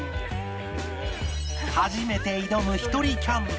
初めて挑むひとりキャンプ